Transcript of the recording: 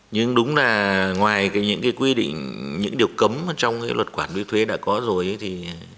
nhưng đúng là ngoài những cái quy định những điều cấm trong luật quản lý thuế đã có rồi